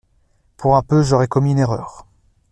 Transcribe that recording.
Pour un peu, j’aurais commis une erreur.